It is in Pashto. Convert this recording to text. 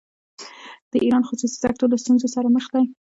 د ایران خصوصي سکتور له ستونزو سره مخ دی.